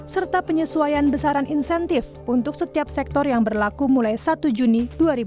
serta penyesuaian besaran insentif untuk setiap sektor yang berlaku mulai satu juni dua ribu dua puluh